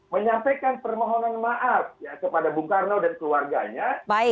menyampaikan permohonan maaf ya kepada bung karno dan keluarganya